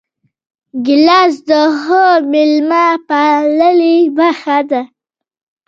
ګیلاس د ښه میلمه پالنې برخه ده.